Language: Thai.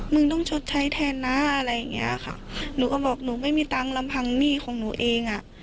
มึงต้องชดใช้แทนนะอะไรอย่างเงี้ยค่ะหนูก็บอกหนูไม่มีตังค์ลำพังหนี้ของหนูเองอ่ะ